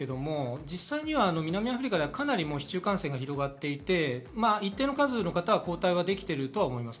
実際には南アフリカでは市中感染が広がっていて、一定の数の方は抗体はできてると思います。